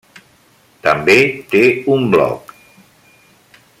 També té un bloc.